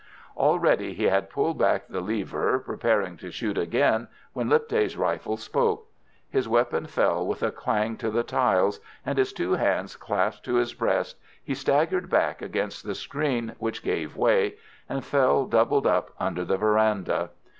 Already he had pulled back the lever, preparing to shoot again, when Lipthay's rifle spoke. His weapon fell with a clang to the tiles, and, his two hands clasped to his breast, he staggered back against the screen, which gave way, and fell doubled up under the verandah.